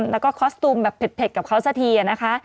แล้วก็คอสตูมแบบเผ็ดกับเขาสักทีนะคะ